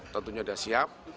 tentunya sudah siap